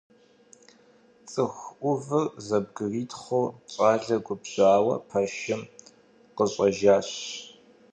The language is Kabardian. Цӏыху ӏувыр зэбгритхъуу, щӏалэр губжьауэ пэшым къыщӀэжащ.